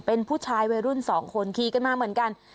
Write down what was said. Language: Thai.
เป็นผู้ชายวัยรุ่นสองคนขี่กันมาเหมือนกัน